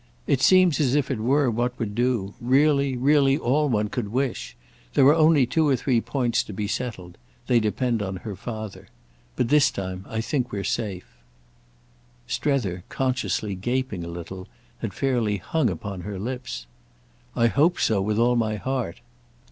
It seems as if it were what would do; really, really all one could wish. There are only two or three points to be settled—they depend on her father. But this time I think we're safe." Strether, consciously gaping a little, had fairly hung upon her lips. "I hope so with all my heart."